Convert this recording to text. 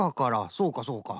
そうかそうか。